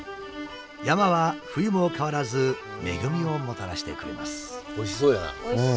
山は冬も変わらず恵みをもたらしてくれます。